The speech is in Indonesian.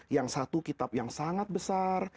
yang satu kitab yang sangat besar